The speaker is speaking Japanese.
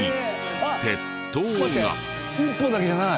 １本だけじゃない！